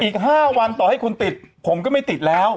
อีก๕วันต่อให้คุณติดผมก็ไม่ติดแล้ว